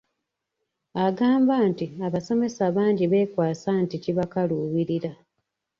Agamba nti abasomesa bangi beekwasa nti kibakaluubirira.